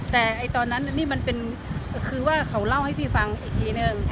แต่ตอนนั้นนี่มันเป็นคือว่าเขาเล่าให้พี่ฟังอีกทีนึง